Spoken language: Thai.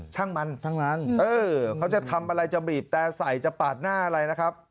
ฉ่างมันคำอะไรจะบีบแตะใสจะปาดหน้าอะไรนะครับ